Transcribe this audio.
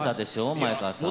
前川さんも。